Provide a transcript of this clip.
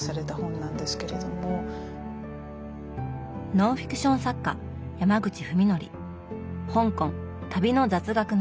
ノンフィクション作家山口文憲「香港旅の雑学ノート」。